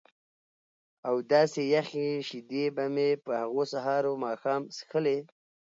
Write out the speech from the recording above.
او داسې یخې شیدې به مې په هغو سهار و ماښام څښلې.